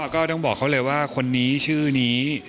ก็ต้องบอกเขาเลยว่าคนนี้ชื่อนี้